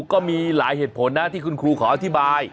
ก็มีหลายเหตุผลนะที่คุณครูขออธิบาย